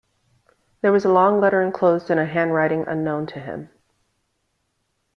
There was a long letter enclosed in a handwriting unknown to him.